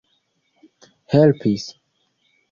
helpis